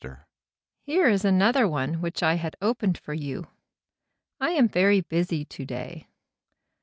"Here is another one which I had opened for you. I am very busy to day.